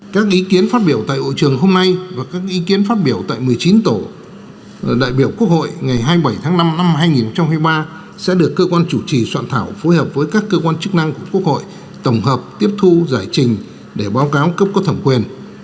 các ý kiến phát biểu tại hội trường hôm nay và các ý kiến phát biểu tại một mươi chín tổ đại biểu quốc hội ngày hai mươi bảy tháng năm năm hai nghìn hai mươi ba sẽ được cơ quan chủ trì soạn thảo phối hợp với các cơ quan chức năng của quốc hội tổng hợp tiếp thu giải trình để báo cáo cấp có thẩm quyền